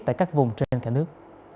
tại các vùng trên cả nước